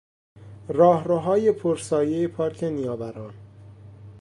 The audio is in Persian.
راهروهای پر سایهی پارک نیاوران